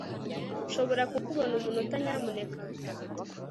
Nshobora kukubona umunota nyamuneka